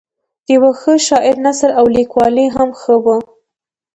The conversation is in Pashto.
د یوه ښه شاعر نثر او لیکوالي هم ښه وه.